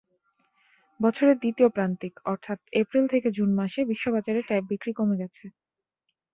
বছরের দ্বিতীয় প্রান্তিক অর্থাৎ এপ্রিল থেকে জুন মাসে বিশ্ববাজারে ট্যাব বিক্রি কমে গেছে।